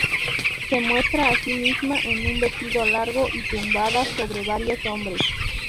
Se muestra a sí misma con un vestido largo y tumbada sobre varios hombres.